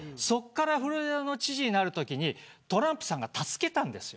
そこからフロリダ知事になるときにトランプさんが助けたんです。